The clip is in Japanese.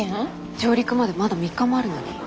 上陸までまだ３日もあるのに？